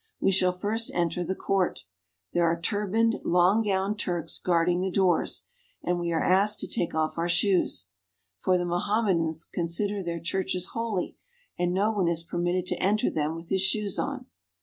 We shall first enter the court. There are turbaned, long gowned Turks guarding the doors, and we are asked to take off our shoes ; for the Mohammedans consider their churches holy, and no one is permitted to enter them with his shoes on.